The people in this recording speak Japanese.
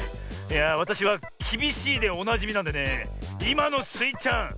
いやあわたしはきびしいでおなじみなんでねいまのスイちゃん